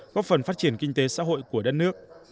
góp phần phát triển kinh tế xã hội của đất nước